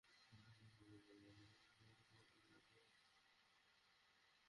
প্রায় দুই মাস পর্যন্ত বাবার তত্ত্বাবধানে থেকে খাবার খায় এবং জীবনধারণ করে।